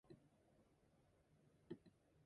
This animal is native to Tunisia.